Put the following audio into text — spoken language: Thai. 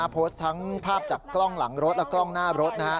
โพสต์ทั้งภาพจากกล้องหลังรถและกล้องหน้ารถ